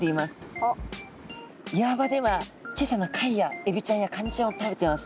岩場では小さな貝やエビちゃんやカニちゃんを食べてます。